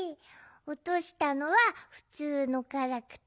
おとしたのはふつうのガラクタ。